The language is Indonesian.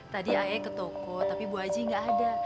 tadi ayah ke toko tapi bu aji gak ada